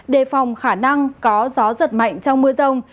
đề phòng khả năng có gió giật mạnh trong mưa rông